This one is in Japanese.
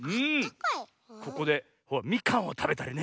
ここでみかんをたべたりね。